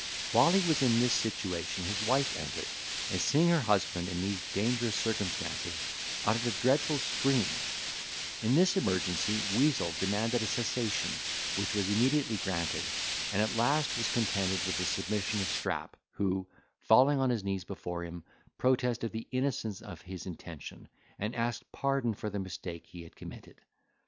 While he was in this situation his wife entered, and, seeing her husband in these dangerous circumstances, uttered a dreadful scream: in this emergency, Weazel demanded a cessation, which was immediately granted; and at last was contented with the submission of Strap, who, falling on his knees before him, protested the innocence of his intention, and asked pardon for the mistake he had committed.